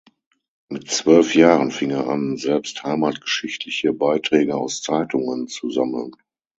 Mit zwölf Jahren fing er an, selbst heimatgeschichtliche Beiträge aus Zeitungen zu sammeln.